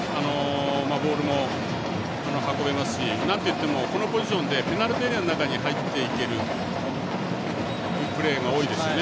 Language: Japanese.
ボールも運べますしなんといってもこのポジションでペナルティーエリアの中に入っていけるプレーが多いですよね。